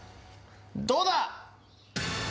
どうだ！